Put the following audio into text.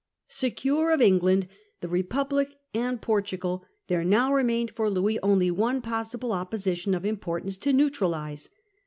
Secure of England, the Republic, and Portugal, there now remained for Louis only one possible opposition of Treaties importance to neutralise.